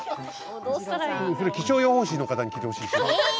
気象予報士の方に聞いてほしい。